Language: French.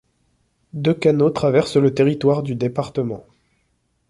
Deux canaux traversent le territoire du département.